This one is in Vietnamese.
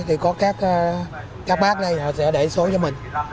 thì có các bác đây họ sẽ để số cho mình